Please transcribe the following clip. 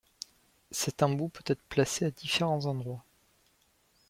Cet embout peut être placé à différents endroits.